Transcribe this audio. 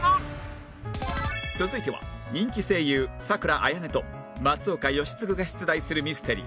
続いては人気声優佐倉綾音と松岡禎丞が出題するミステリー